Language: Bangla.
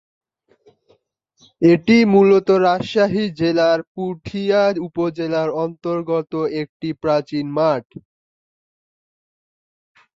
এটি মূলত রাজশাহী জেলার পুঠিয়া উপজেলার অন্তর্গত একটি প্রাচীন মঠ।